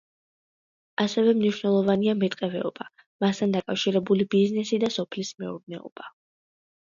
ასევე მნიშვნელოვანია მეტყევეობა, მასთან დაკავშირებული ბიზნესი და სოფლის მეურნეობა.